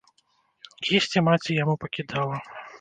Есці маці яму пакідала.